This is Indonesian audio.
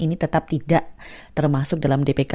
ini tetap tidak termasuk dalam dpk